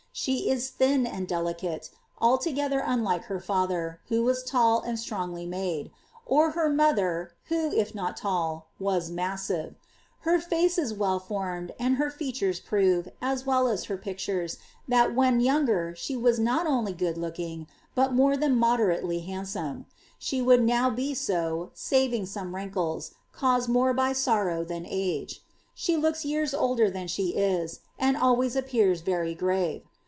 She is thin and delicate, altogether unlike her father, who was tall, and strongly made ; or her mother, who, if not tall, was massive. Her face is well formed, and her features prove, as well as her pictures, that when younger she was not only good looking, but more than moderately tiandsome ; she would now be so, saving some wrinkles, caused more by sorrow than by age. She looks years older than she is, and always appears very grave.